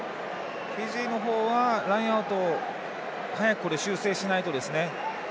フィジーの方はラインアウト早く修正しないとですね。